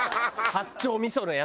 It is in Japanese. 八丁味噌のやつで。